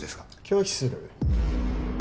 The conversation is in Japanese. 拒否する。